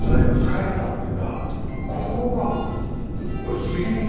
ここがこれ杉板？